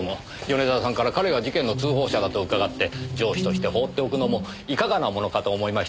米沢さんから彼が事件の通報者だと伺って上司として放っておくのもいかがなものかと思いましてねぇ。